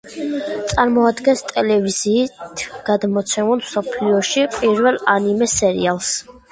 წარმოადგენს ტელევიზიით გადმოცემულ მსოფლიოში პირველ ანიმე სერიალს.